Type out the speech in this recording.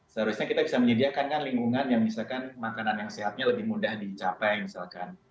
seharusnya kita bisa menyediakan kan lingkungan yang misalkan makanan yang sehatnya lebih mudah dicapai misalkan